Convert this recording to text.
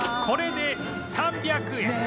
これで３００円